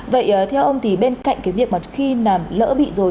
vậy theo ông thì bên cạnh cái việc mà khi mà lỡ bị rồi